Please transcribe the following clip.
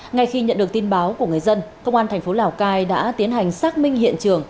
ngay khi nhận được tin báo của người dân công an thành phố lào cai đã tiến hành xác minh hiện trường